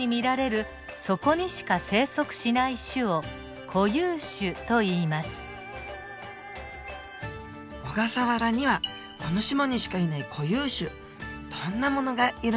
小笠原にはこの島にしかいない固有種どんなものがいるのでしょうか？